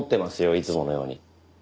いつものように。